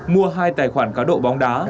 mua hai tài khoản cá độ bóng đá